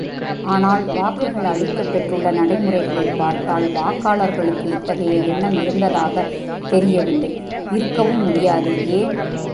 ஆனால், வாக்குகள் அளிக்கப் பெற்றுள்ள நடைமுறைகளைப் பார்த்தால் வாக்காளர்களுக்கு இத்தகைய எண்ணம் இருந்ததாகத் தெரியவில்லை இருக்கவும் முடியாது ஏன்?